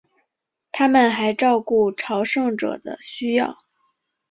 他们还照顾朝圣者的需要。